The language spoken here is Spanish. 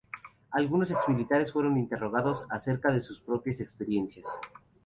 Algunos ex-militares fueron interrogados acerca de sus propias experiencias.